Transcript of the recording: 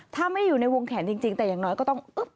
ถ้าไม่อยู่ในวงแขนจริงแต่อย่างน้อยก็ต้องอึ๊บ